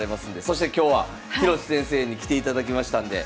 そして今日は広瀬先生に来ていただきましたんで。